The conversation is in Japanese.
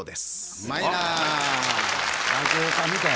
うまいな。